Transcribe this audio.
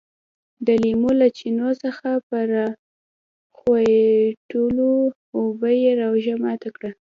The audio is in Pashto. د لیمو له چینو څخه په راخوټېدلو اوبو یې روژه ماته کړه.